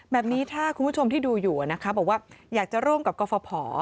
แบบนี้ถ้าคุณผู้ชมที่ดูอยู่นะคะบอกว่าอยากจะร่วมกับกรฟภ